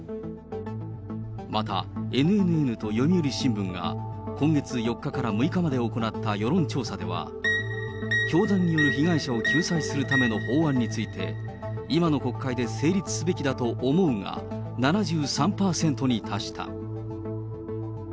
またＮＮＮと読売新聞が今月４日から６日まで行った世論調査では、教団による被害者を救済するための法案について、今の国会で成立すべきだと思うが７３％に達した。